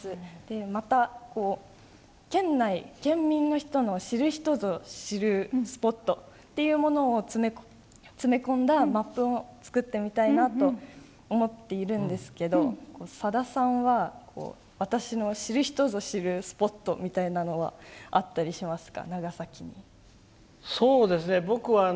また、県民の人の知る人ぞ知るスポットを詰め込んだマップも作ってみたいなと思っているんですけどさださんは私の知る人ぞ知るスポットみたいなのは長崎にあったりしますか？